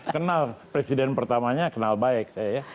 kenal presiden pertamanya kenal baik saya ya